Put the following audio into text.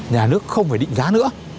nhà nước không phải định giá nữa